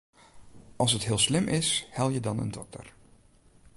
As it heel slim is, helje dan in dokter.